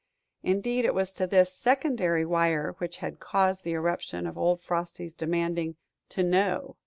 Indeed, it was this secondary wire which had caused the eruption of old Frosty demanding to "know."